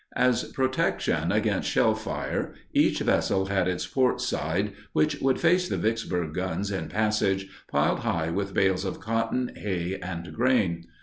As protection against shellfire, each vessel had its port side, which would face the Vicksburg guns in passage, piled high with bales of cotton, hay, and grain.